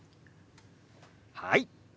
はい。